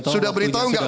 sudah beritahu enggak